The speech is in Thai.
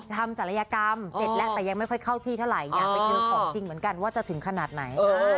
ศัลยกรรมเสร็จแล้วแต่ยังไม่ค่อยเข้าที่เท่าไหร่อยากไปเจอของจริงเหมือนกันว่าจะถึงขนาดไหน